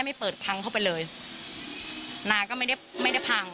ไม่เปิดพังเข้าไปเลยนาก็ไม่ได้ไม่ได้พัง